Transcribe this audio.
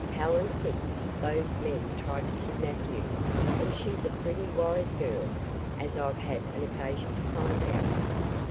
Helen thinks those men tried to kidnap you, and she's a pretty wise girl, as I've had occasion to find out."